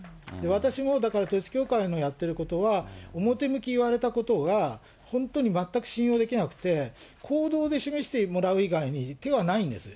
私もだから、統一教会のやってることは、表向き言われたことが、本当に全く信用できなくて、行動で示してもらう以外に手はないんです。